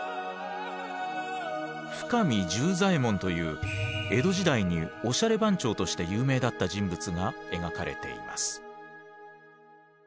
深見十左衛門という江戸時代におしゃれ番長として有名だった人物が描かれています。